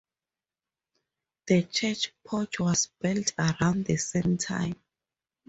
The church porch was built around the same time.